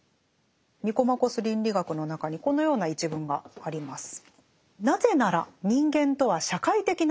「ニコマコス倫理学」の中にこのような一文があります。